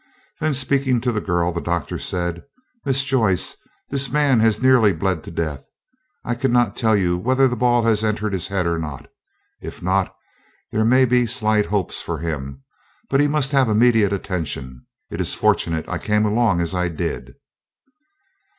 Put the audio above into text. Then speaking to the girl, the Doctor said, "Miss Joyce, this man has nearly bled to death. I cannot tell yet whether the ball has entered his head or not. If not, there may be slight hopes for him, but he must have immediate attention. It is fortunate I came along as I did."